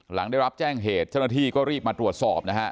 หลังได้รับแจ้งเหตุเจ้าหน้าที่ก็รีบมาตรวจสอบนะฮะ